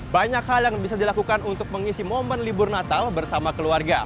banyak hal yang bisa dilakukan untuk mengisi momen libur natal bersama keluarga